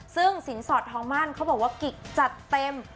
ซึ่งสินสอดทองมั่นเขาบอกว่ากิ๊กจัดเต็ม